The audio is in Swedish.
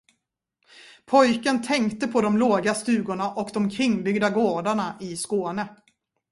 Pojken tänkte på de låga stugorna och de kringbyggda gårdarna i Skåne.